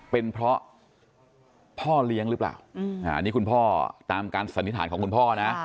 เป็นเพราะพ่อเลี้ยงหรือเปล่าอันนี้คุณพ่อตามการสันนิษฐานของคุณพ่อนะ